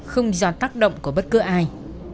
không do tác động của bất cứ ai